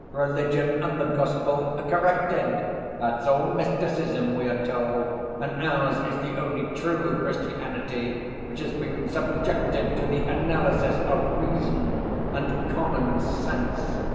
Religion and the Gospel are corrected—that's all mysticism, we are told, and ours is the only true Christianity which has been subjected to the analysis of reason and common sense.